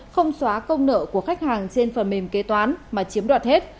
không xóa công nợ của khách hàng trên phần mềm kế toán mà chiếm đoạt hết